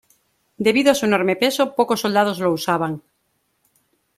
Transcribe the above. Debido a su enorme peso, pocos soldados lo usaban.